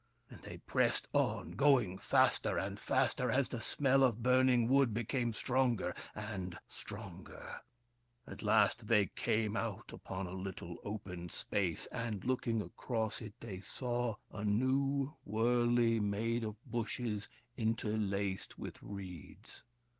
And they pressed on, going faster and faster as the smell of burning wood became stronger and stronger. At last they came out upon a little open space, and, looking across it, they saw a new wurley made of bushes interlaced with reeds.